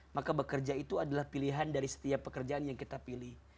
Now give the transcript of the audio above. maka bekerja itu adalah pilihan dari setiap pekerjaan yang kita pilih